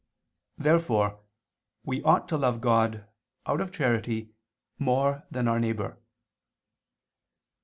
Therefore we ought to love God, out of charity, more than our neighbor.